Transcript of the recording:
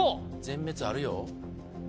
全滅あるよ